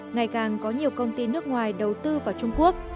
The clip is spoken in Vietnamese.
ngày càng có nhiều công ty nước ngoài đầu tư vào trung quốc